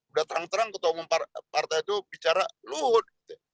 udah terang terang ketua umum partai itu bicara luhut